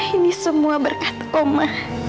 ini semua berkat oma